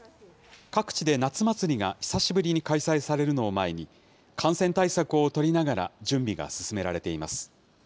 各地で夏祭りが久しぶりに開催されるのを前に、感染対策を取りながら準備が進められています。